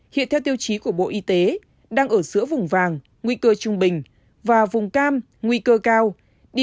hiện theo tiêu chí của bộ y tế đang ở giữa vùng vàng và vùng cam đi